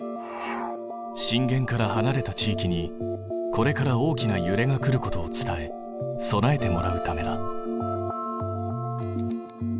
震源からはなれた地域にこれから大きなゆれが来ることを伝え備えてもらうためだ。